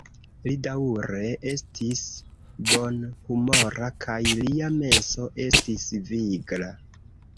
Li daŭre estis bonhumora kaj lia menso estis vigla.